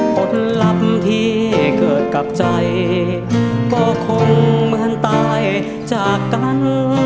ผลลัพธ์ที่เกิดกับใจก็คงเหมือนตายจากกัน